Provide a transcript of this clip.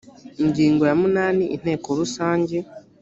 ingingo ya munani inteko rusange